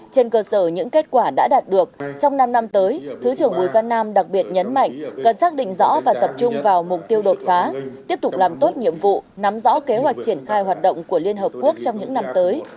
trên cơ sở những kết quả đã đạt được trong năm năm tới thứ trưởng bùi văn nam đặc biệt nhấn mạnh cần xác định rõ và tập trung vào mục tiêu đột phá tiếp tục làm tốt nhiệm vụ nắm rõ kế hoạch triển khai hoạt động của liên hợp quốc trong những năm tới